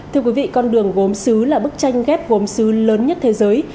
thưa quý vị con đường gốm xứ là bức tranh ghép gốm xứ lớn nhất thế giới